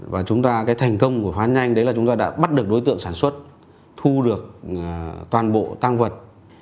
và chúng ta cái thành công của phán nhanh đấy là chúng ta đã bắt được đối tượng sản xuất thu được toàn bộ tăng vật